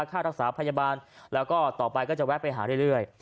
ค่ารักษาพยาบาลแล้วก็ต่อไปก็จะแวะไปหาเรื่อย